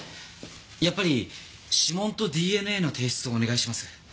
やっぱり指紋とＤＮＡの提出をお願いします。